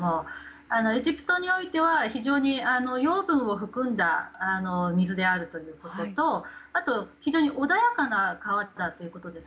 エジプトにおいては非常に養分を含んだ水であるということと非常に穏やかな川ということです。